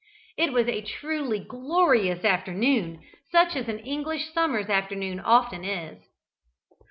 It was a truly glorious afternoon, such as an English summer's afternoon often is.